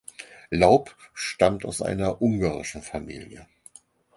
Laub stammte aus einer ungarischen Familie.